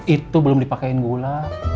itu belum dipakai gula